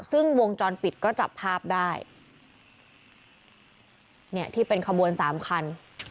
ซึ่งวงจรปิดก็จับภาพได้เนี่ยที่เป็นขบวนสามคัน